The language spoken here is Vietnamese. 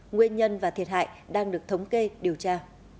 nguyên nhân và thiệt hại đang được thống kê điều tra